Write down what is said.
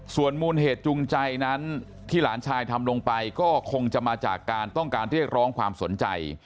ส่วนมูลเหตุจูงใจนั้นที่หลานชายทำลงไปก็คงจะมาจากการต้องการเรียกร้องความสนใจ